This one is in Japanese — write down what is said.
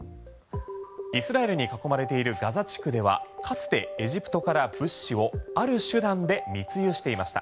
イスラエルに囲まれているガザ地区ではかつてエジプトから物資をある手段で密輸していました。